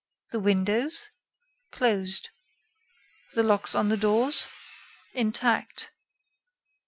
The windows?.... closed. The locks on the doors?.... intact.